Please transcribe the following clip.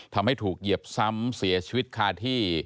ทำให้ถูกเหยียบซ้ำเสียชีวิตคาที่